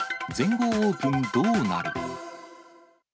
全豪オープンどうなる？